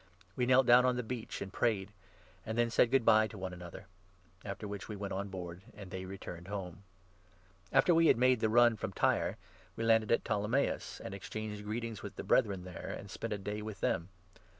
We knelt down on the beach, and prayed, and then said good bye to one another ; 6 after which we went on board, and they returned home. Pau, After we had made the run from Tyre, we 7 at landed at Ptolemais, and exchanged greetings caesarea. wjth the Brethren there, and spent a day with them.